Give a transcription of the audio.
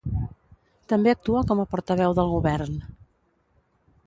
També actua com a Portaveu del Govern.